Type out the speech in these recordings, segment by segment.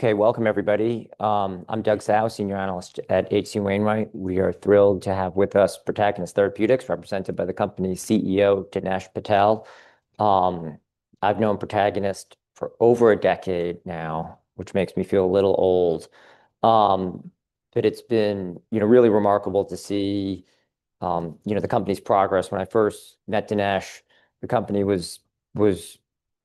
Okay, welcome, everybody. I'm Douglas Tsao, Senior Analyst at H.C. Wainwright. We are thrilled to have with us Protagonist Therapeutics, represented by the company's CEO, Dinesh Patel. I've known Protagonist for over a decade now, which makes me feel a little old. But it's been, you know, really remarkable to see, you know, the company's progress. When I first met Dinesh, the company was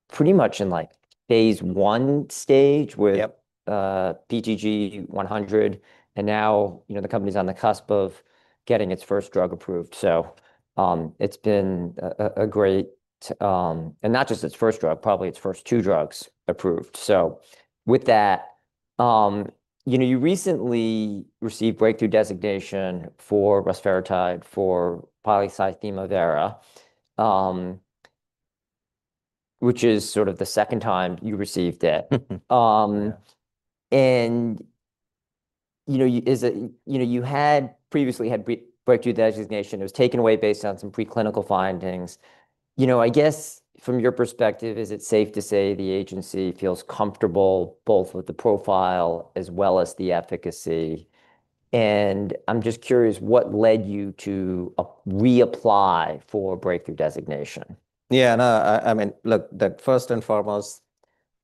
pretty much in, like, phase one stage with PTG-100. And now, you know, the company's on the cusp of getting its first drug approved. So it's been a great, and not just its first drug, probably its first two drugs approved. So with that, you know, you recently received breakthrough designation for rusfertide for polycythemia vera, which is sort of the second time you received it. And, you know, you had previously had breakthrough designation. It was taken away based on some preclinical findings. You know, I guess from your perspective, is it safe to say the agency feels comfortable both with the profile as well as the efficacy? And I'm just curious, what led you to reapply for breakthrough designation? Yeah, no, I mean, look, Doug, first and foremost,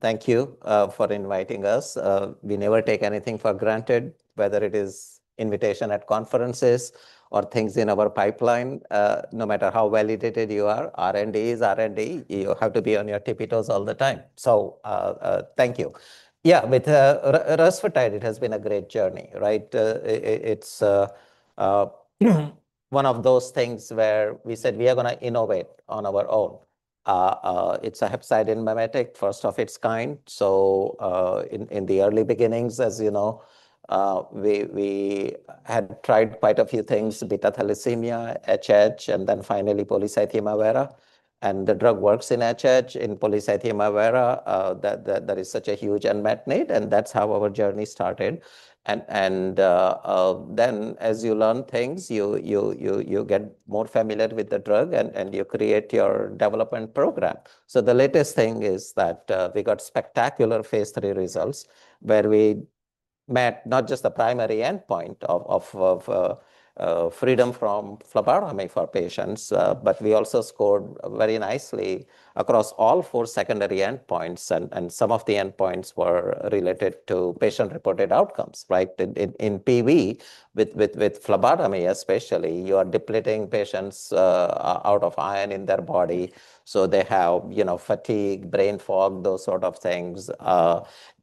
thank you for inviting us. We never take anything for granted, whether it is invitations at conferences or things in our pipeline, no matter how validated you are. R&D is R&D. You have to be on your tippy toes all the time. So thank you. Yeah, with rusfertide, it has been a great journey, right? It's one of those things where we said we are going to innovate on our own. It's a hepcidin mimetic, first of its kind. So in the early beginnings, as you know, we had tried quite a few things: beta thalassemia, HH, and then finally polycythemia vera. The drug works in HH, in polycythemia vera. That is such a huge unmet need. That's how our journey started. And then, as you learn things, you get more familiar with the drug, and you create your development program. So the latest thing is that we got spectacular phase three results, where we met not just the primary endpoint of freedom from phlebotomy for patients, but we also scored very nicely across all four secondary endpoints. And some of the endpoints were related to patient-reported outcomes, right? In PV, with phlebotomy especially, you are depleting patients out of iron in their body. So they have, you know, fatigue, brain fog, those sort of things.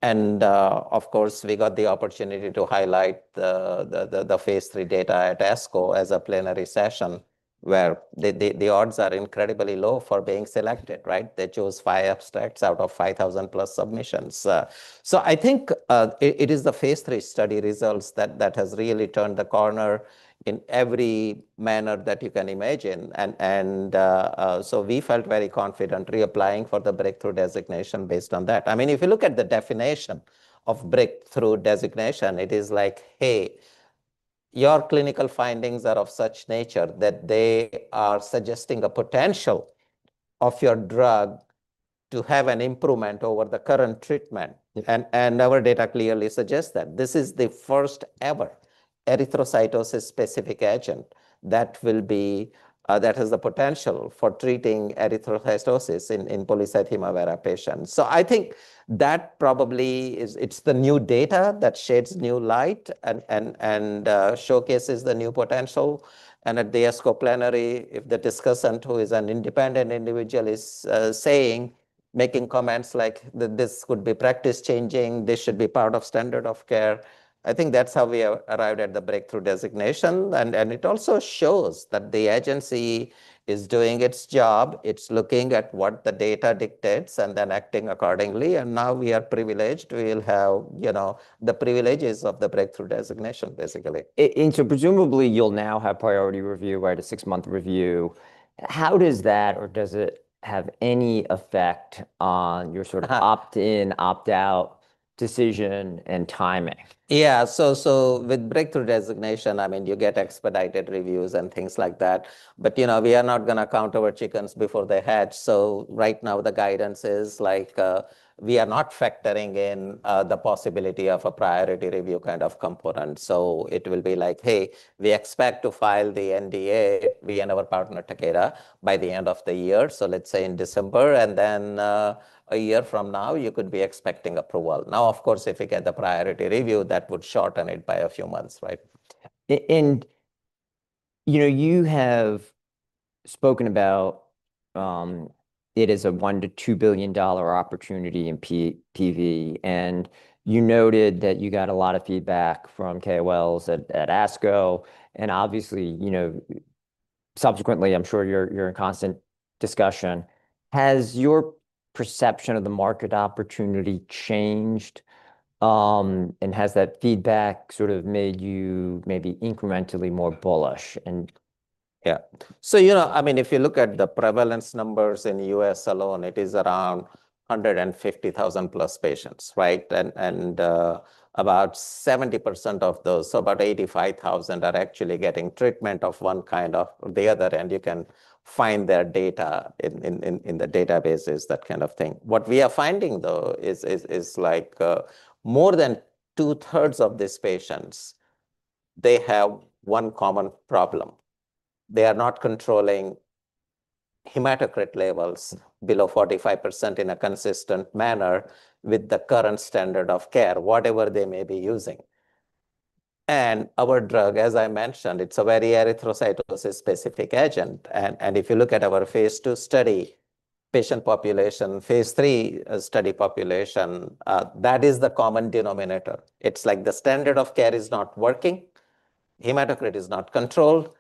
And, of course, we got the opportunity to highlight the phase three data at ASCO as a plenary session, where the odds are incredibly low for being selected, right? They chose five abstracts out of 5,000 plus submissions. So I think it is the phase three study results that has really turned the corner in every manner that you can imagine. And so we felt very confident reapplying for the breakthrough designation based on that. I mean, if you look at the definition of breakthrough designation, it is like, hey, your clinical findings are of such nature that they are suggesting a potential of your drug to have an improvement over the current treatment. And our data clearly suggests that this is the first-ever erythrocytosis-specific agent that has the potential for treating erythrocytosis in polycythemia vera patients. So I think that it's the new data that sheds new light and showcases the new potential. And at the ASCO plenary, if the discussant, who is an independent individual, is saying, making comments like this could be practice-changing, this should be part of standard of care, I think that's how we arrived at the breakthrough designation. And it also shows that the agency is doing its job. It's looking at what the data dictates and then acting accordingly. And now we are privileged. We'll have, you know, the privileges of the breakthrough designation, basically. Presumably, you'll now have priority review, right? A six-month review. How does that, or does it have any effect on your sort of opt-in, opt-out decision and timing? Yeah, so with breakthrough designation, I mean, you get expedited reviews and things like that. But, you know, we are not going to count our chickens before they hatch. So right now, the guidance is like, we are not factoring in the possibility of a priority review kind of component. So it will be like, hey, we expect to file the NDA with our partner, Takeda, by the end of the year. So let's say in December. And then a year from now, you could be expecting approval. Now, of course, if we get the priority review, that would shorten it by a few months, right? And, you know, you have spoken about it as a $1-$2 billion opportunity in PV. And you noted that you got a lot of feedback from KOLs at ASCO. And obviously, you know, subsequently, I'm sure you're in constant discussion. Has your perception of the market opportunity changed? And has that feedback sort of made you maybe incrementally more bullish? Yeah. So, you know, I mean, if you look at the prevalence numbers in the U.S. alone, it is around 150,000 plus patients, right? And about 70% of those, so about 85,000, are actually getting treatment of one kind or the other. And you can find their data in the databases, that kind of thing. What we are finding, though, is like more than two-thirds of these patients, they have one common problem. They are not controlling hematocrit levels below 45% in a consistent manner with the current standard of care, whatever they may be using. And our drug, as I mentioned, it's a very erythrocytosis-specific agent. And if you look at our phase two study patient population, phase three study population, that is the common denominator. It's like the standard of care is not working. Hematocrit is not controlled.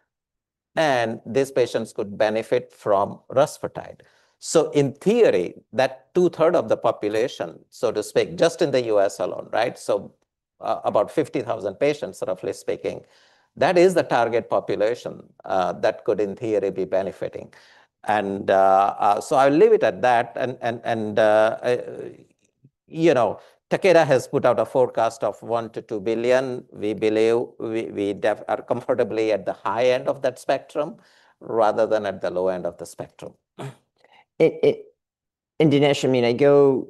And these patients could benefit from rusfertide. So in theory, that two-thirds of the population, so to speak, just in the U.S. alone, right? So about 50,000 patients, roughly speaking, that is the target population that could, in theory, be benefiting. And so I'll leave it at that. And, you know, Takeda has put out a forecast of $1-$2 billion. We believe we are comfortably at the high end of that spectrum rather than at the low end of the spectrum. And Dinesh, I mean, I go,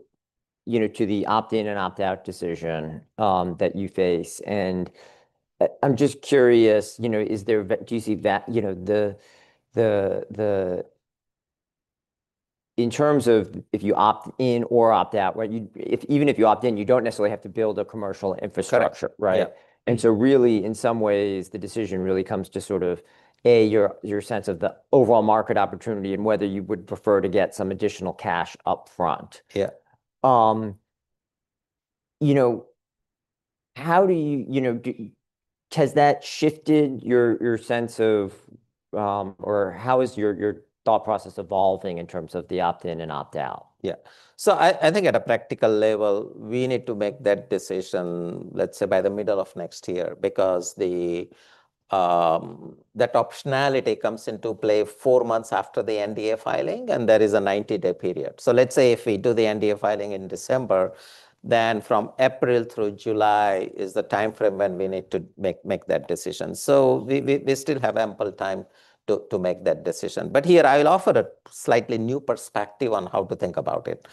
you know, to the opt-in and opt-out decision that you face. And I'm just curious, you know, is there, do you see that, you know, in terms of if you opt in or opt out, right? Even if you opt in, you don't necessarily have to build a commercial infrastructure, right? And so really, in some ways, the decision really comes to sort of, A, your sense of the overall market opportunity and whether you would prefer to get some additional cash upfront. Yeah. You know, how do you, you know, has that shifted your sense of, or how is your thought process evolving in terms of the opt-in and opt-out? Yeah. So I think at a practical level, we need to make that decision, let's say, by the middle of next year, because that optionality comes into play four months after the NDA filing, and there is a 90-day period. So let's say if we do the NDA filing in December, then from April through July is the time frame when we need to make that decision. So we still have ample time to make that decision. But here, I'll offer a slightly new perspective on how to think about it.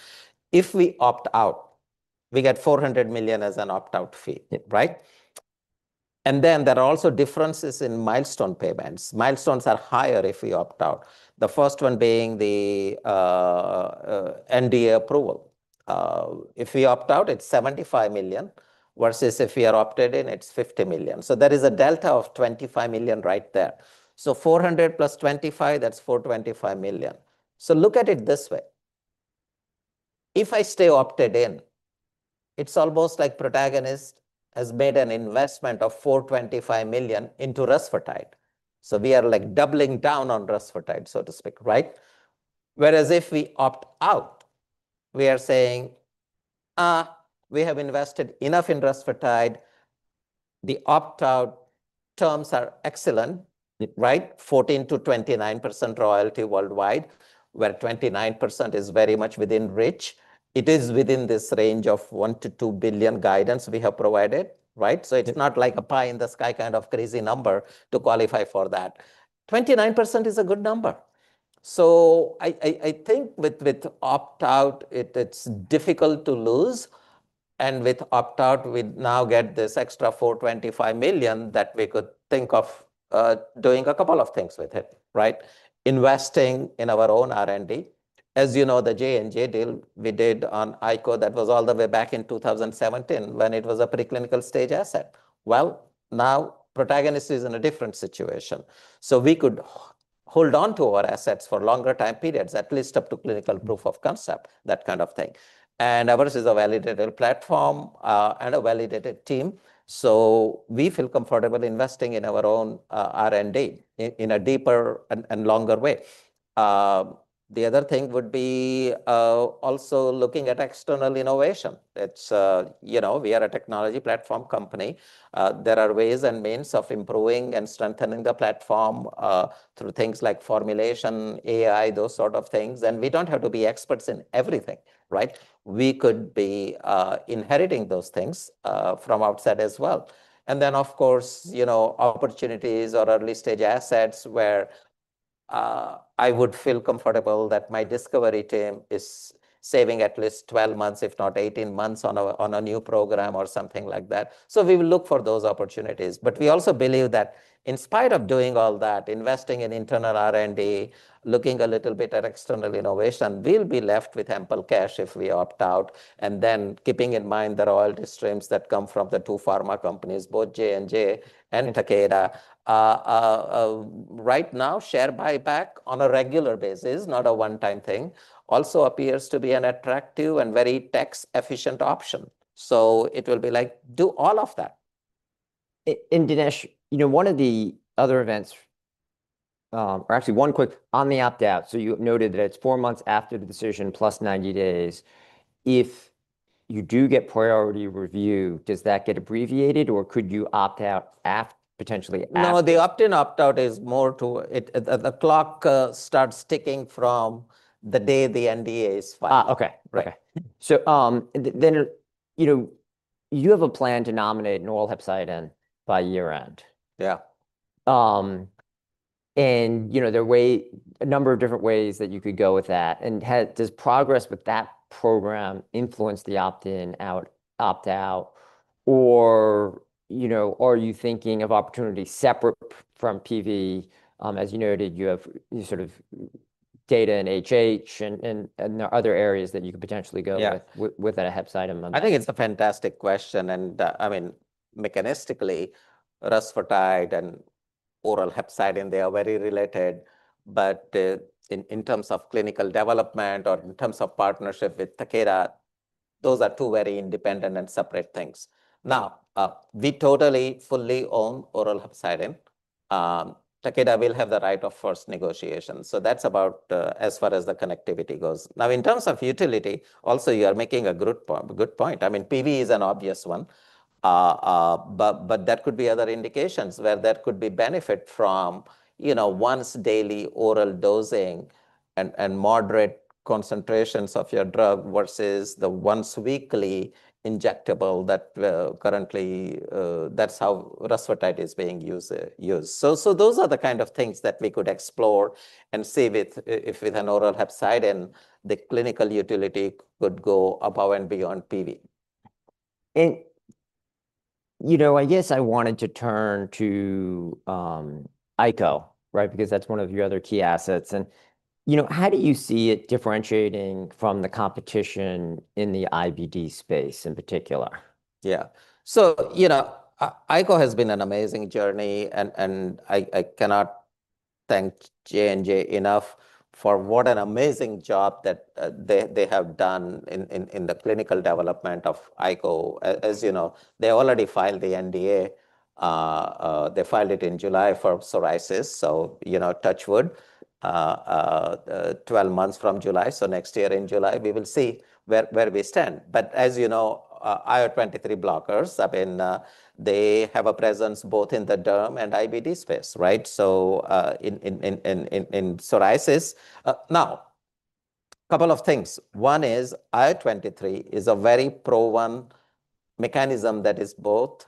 If we opt out, we get $400 million as an opt-out fee, right? And then there are also differences in milestone payments. Milestones are higher if we opt out, the first one being the NDA approval. If we opt out, it's $75 million, versus if we are opted in, it's $50 million. There is a delta of $25 million right there. $400 plus $25, that's $425 million. Look at it this way. If I stay opted in, it's almost like Protagonist has made an investment of $425 million into rusfertide. We are like doubling down on rusfertide, so to speak, right? Whereas if we opt out, we are saying, we have invested enough in rusfertide. The opt-out terms are excellent, right? 14% to 29% royalty worldwide, where 29% is very much within reach. It is within this range of $1 to $2 billion guidance we have provided, right? It's not like a pie in the sky kind of crazy number to qualify for that. 29% is a good number. I think with opt-out, it's difficult to lose. And with opt-out, we now get this extra $425 million that we could think of doing a couple of things with it, right? Investing in our own R&D. As you know, the J&J deal we did on icotrokinra, that was all the way back in 2017 when it was a preclinical stage asset. Well, now Protagonist is in a different situation. So we could hold on to our assets for longer time periods, at least up to clinical proof of concept, that kind of thing. And ours is a validated platform and a validated team. So we feel comfortable investing in our own R&D in a deeper and longer way. The other thing would be also looking at external innovation. You know, we are a technology platform company. There are ways and means of improving and strengthening the platform through things like formulation, AI, those sort of things. And we don't have to be experts in everything, right? We could be inheriting those things from outside as well. And then, of course, you know, opportunities or early stage assets where I would feel comfortable that my discovery team is saving at least 12 months, if not 18 months, on a new program or something like that. So we will look for those opportunities. But we also believe that in spite of doing all that, investing in internal R&D, looking a little bit at external innovation, we'll be left with ample cash if we opt out. And then keeping in mind the royalty streams that come from the two pharma companies, both J&J and Takeda, right now, share buyback on a regular basis, not a one-time thing, also appears to be an attractive and very tax-efficient option. So it will be like, do all of that. And Dinesh, you know, one of the other events, or actually one quick, on the opt-out. So you noted that it's four months after the decision, plus 90 days. If you do get priority review, does that get abbreviated, or could you opt out potentially after? No, the opt-in opt-out is more to the clock starts ticking from the day the NDA is filed. OK, right. So then, you know, you have a plan to nominate oral hepcidin by year-end. Yeah. You know, there are a number of different ways that you could go with that. Does progress with that program influence the opt-in opt-out? You know, are you thinking of opportunity separate from PV? As you noted, you have sort of data in HH, and there are other areas that you could potentially go with a hepcidin mimetic. I think it's a fantastic question. And I mean, mechanistically, rusfertide and oral hepcidin mimetic, they are very related. But in terms of clinical development or in terms of partnership with Takeda, those are two very independent and separate things. Now, we totally fully own oral hepcidin mimetic. Takeda will have the right of first negotiation. So that's about as far as the connectivity goes. Now, in terms of utility, also, you are making a good point. I mean, PV is an obvious one. But that could be other indications where there could be benefit from, you know, once-daily oral dosing and moderate concentrations of your drug versus the once-weekly injectable that currently that's how rusfertide is being used. So those are the kind of things that we could explore and see if with an oral hepcidin mimetic, the clinical utility could go above and beyond PV. You know, I guess I wanted to turn to icotrokinra, right, because that's one of your other key assets. You know, how do you see it differentiating from the competition in the IBD space in particular? Yeah. So, you know, icotrokinra has been an amazing journey. And I cannot thank J&J enough for what an amazing job that they have done in the clinical development of icotrokinra. As you know, they already filed the NDA. They filed it in July for psoriasis. So, you know, touch wood, 12 months from July. So next year in July, we will see where we stand. But as you know, IL-23 blockers, I mean, they have a presence both in the derm and IBD space, right? So in psoriasis. Now, a couple of things. One is IL-23 is a very proven mechanism that is both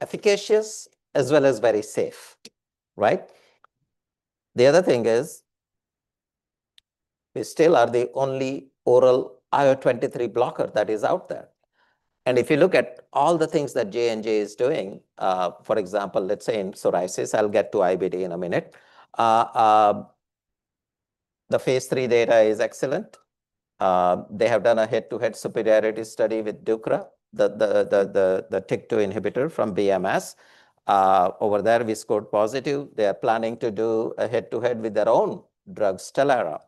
efficacious as well as very safe, right? The other thing is we still are the only oral IL-23 blocker that is out there. And if you look at all the things that J&J is doing, for example, let's say in psoriasis, I'll get to IBD in a minute. The phase three data is excellent. They have done a head-to-head superiority study with Sotyktu, the TYK2 inhibitor from BMS. Over there, we scored positive. They are planning to do a head-to-head with their own drug, Stelara.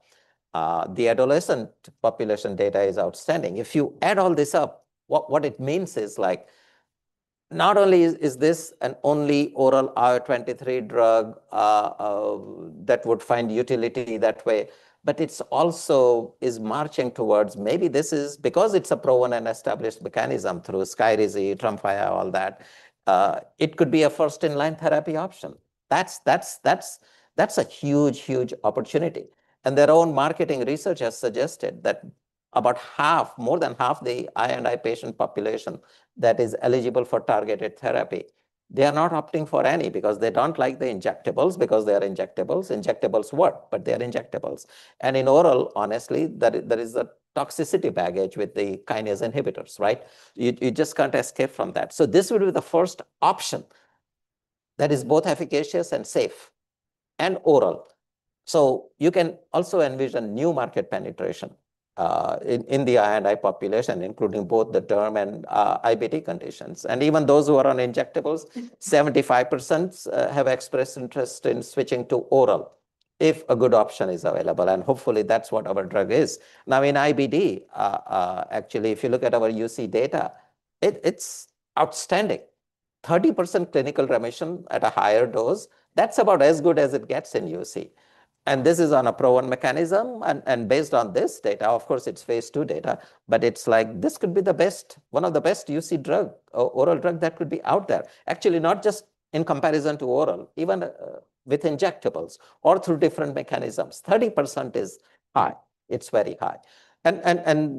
The adolescent population data is outstanding. If you add all this up, what it means is like not only is this an only oral IL-23 drug that would find utility that way, but it also is marching towards maybe this is because it's a proven and established mechanism through Skyrizi, Tremfya, all that, it could be a first-line therapy option. That's a huge, huge opportunity. Their own marketing research has suggested that about half, more than half the I&I patient population that is eligible for targeted therapy, they are not opting for any because they don't like the injectables because they are injectables. Injectables work, but they are injectables. In oral, honestly, there is a toxicity baggage with the kinase inhibitors, right? You just can't escape from that. This would be the first option that is both efficacious and safe and oral. You can also envision new market penetration in the I&I population, including both the derm and IBD conditions. Even those who are on injectables, 75% have expressed interest in switching to oral if a good option is available. Hopefully, that's what our drug is. Now, in IBD, actually, if you look at our UC data, it's outstanding. 30% clinical remission at a higher dose, that's about as good as it gets in UC, and this is on a proven mechanism, and based on this data, of course, it's phase two data, but it's like this could be the best, one of the best UC drug oral drug that could be out there. Actually, not just in comparison to oral, even with injectables or through different mechanisms. 30% is high. It's very high, and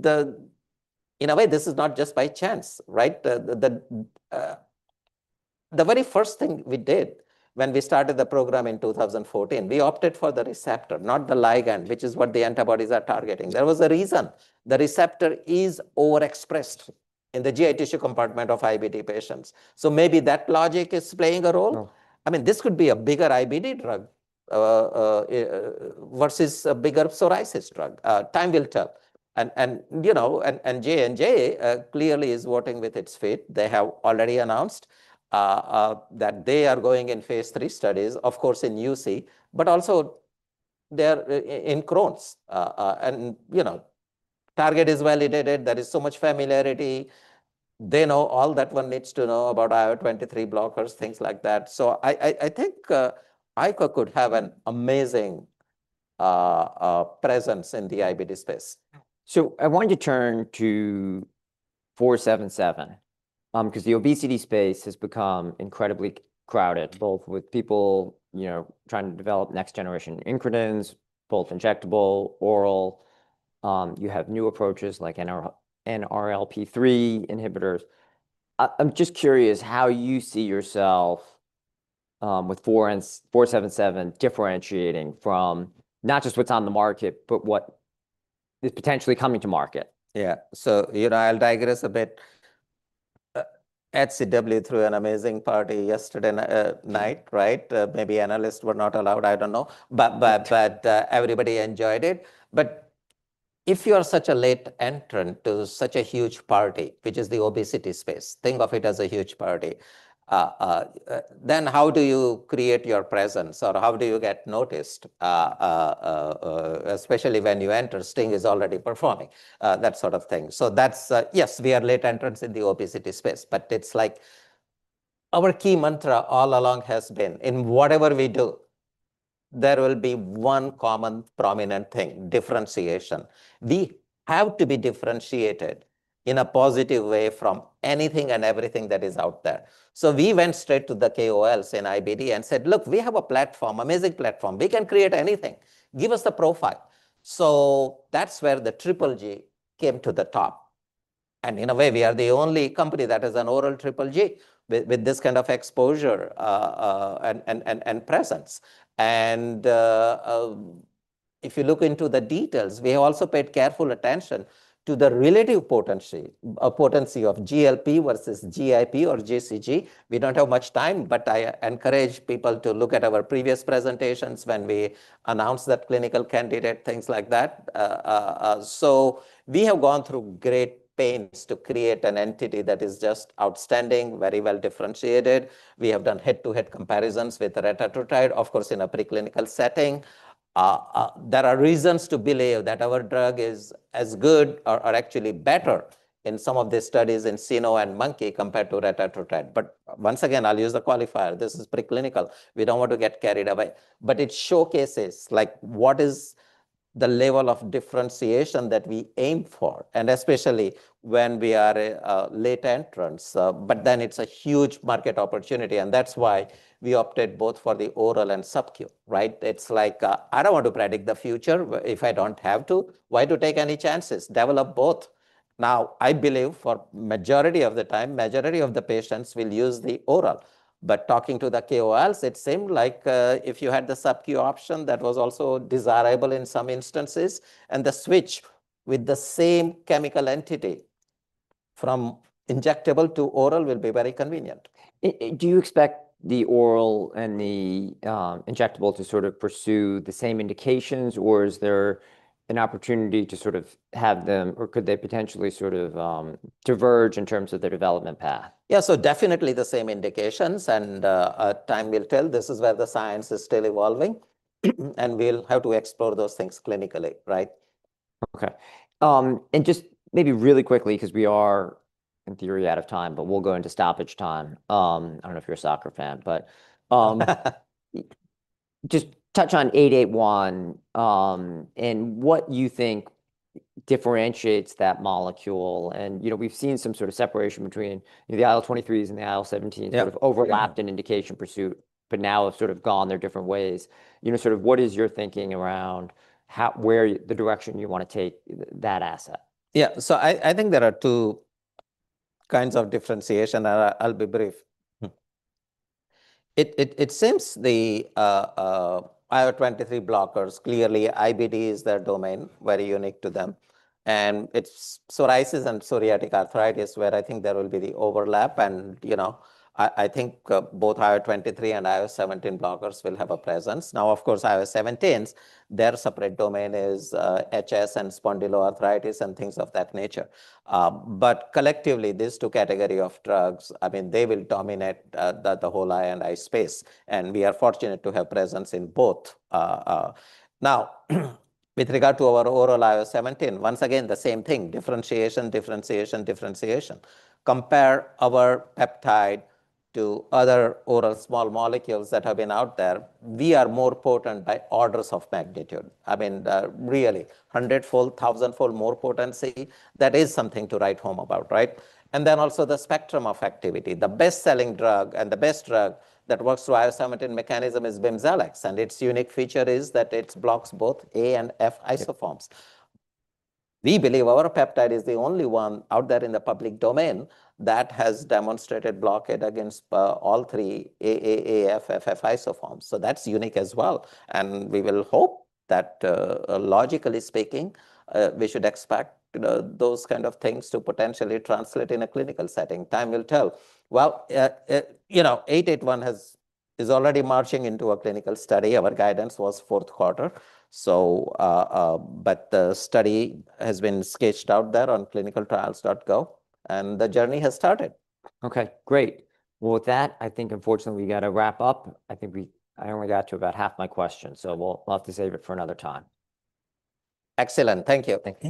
in a way, this is not just by chance, right? The very first thing we did when we started the program in 2014, we opted for the receptor, not the ligand, which is what the antibodies are targeting. There was a reason. The receptor is overexpressed in the GI tissue compartment of IBD patients, so maybe that logic is playing a role. I mean, this could be a bigger IBD drug versus a bigger psoriasis drug. Time will tell. And, you know, J&J clearly is walking with its feet. They have already announced that they are going in phase three studies, of course, in UC, but also in Crohn's. And, you know, target is validated. There is so much familiarity. They know all that one needs to know about IL-23 blockers, things like that. So I think icotrokinra could have an amazing presence in the IBD space. So I want to turn to 477 because the obesity space has become incredibly crowded, both with people, you know, trying to develop next-generation incretins, both injectable, oral. You have new approaches like NLRP3 inhibitors. I'm just curious how you see yourself with 477 differentiating from not just what's on the market, but what is potentially coming to market. Yeah. So, you know, I'll digress a bit. HCW threw an amazing party yesterday night, right? Maybe analysts were not allowed. I don't know. But everybody enjoyed it. But if you are such a late entrant to such a huge party, which is the obesity space, think of it as a huge party, then how do you create your presence or how do you get noticed, especially when you enter, Sting is already performing, that sort of thing. So that's, yes, we are late entrants in the obesity space. But it's like our key mantra all along has been in whatever we do, there will be one common prominent thing, differentiation. We have to be differentiated in a positive way from anything and everything that is out there. So we went straight to the KOLs in IBD and said, look, we have a platform, amazing platform. We can create anything. Give us the profile, so that's where the GGG came to the top, and in a way, we are the only company that has an oral GGG with this kind of exposure and presence. And if you look into the details, we have also paid careful attention to the relative potency of GLP versus GIP or GCG. We don't have much time, but I encourage people to look at our previous presentations when we announced that clinical candidate, things like that, so we have gone through great pains to create an entity that is just outstanding, very well differentiated. We have done head-to-head comparisons with the retatrutide, of course, in a preclinical setting. There are reasons to believe that our drug is as good or actually better in some of the studies in cynomolgus and monkey compared to retatrutide, but once again, I'll use the qualifier. This is preclinical. We don't want to get carried away, but it showcases like what is the level of differentiation that we aim for, and especially when we are late entrants, but then it's a huge market opportunity, and that's why we opted both for the oral and subQ, right? It's like I don't want to predict the future if I don't have to. Why do you take any chances? Develop both. Now, I believe for majority of the time, majority of the patients will use the oral. But talking to the KOLs, it seemed like if you had the subQ option, that was also desirable in some instances. And the switch with the same chemical entity from injectable to oral will be very convenient. Do you expect the oral and the injectable to sort of pursue the same indications, or is there an opportunity to sort of have them, or could they potentially sort of diverge in terms of their development path? Yeah, so definitely the same indications, and time will tell. This is where the science is still evolving, and we'll have to explore those things clinically, right? OK. And just maybe really quickly, because we are in theory out of time, but we'll go into stoppage time. I don't know if you're a soccer fan, but just touch on 881 and what you think differentiates that molecule. And, you know, we've seen some sort of separation between the IL-23s and the IL-17s sort of overlapped in indication pursuit, but now have sort of gone their different ways. You know, sort of what is your thinking around where the direction you want to take that asset? Yeah. So I think there are two kinds of differentiation. I'll be brief. It seems the IL-23 blockers, clearly IBD is their domain, very unique to them. And it's psoriasis and psoriatic arthritis where I think there will be the overlap. And, you know, I think both IL-23 and IL-17 blockers will have a presence. Now, of course, IL-17s, their separate domain is HS and spondyloarthritis and things of that nature. But collectively, these two categories of drugs, I mean, they will dominate the whole I&I space. And we are fortunate to have presence in both. Now, with regard to our oral IL-17, once again, the same thing, differentiation, differentiation, differentiation. Compare our peptide to other oral small molecules that have been out there. We are more potent by orders of magnitude. I mean, really, hundredfold, thousandfold more potency. That is something to write home about, right? And then also the spectrum of activity. The best-selling drug and the best drug that works through IL-17 mechanism is Bimzelx. And its unique feature is that it blocks both A and F isoforms. We believe our peptide is the only one out there in the public domain that has demonstrated blockade against all three AA, AF, FF isoforms. So that's unique as well. And we will hope that, logically speaking, we should expect those kinds of things to potentially translate in a clinical setting. Time will tell. Well, you know, 881 is already marching into a clinical study. Our guidance was fourth quarter. But the study has been sketched out there on ClinicalTrials.gov. And the journey has started. OK, great. With that, I think, unfortunately, we got to wrap up. I think we only got to about half my questions. We'll have to save it for another time. Excellent. Thank you. Thank you.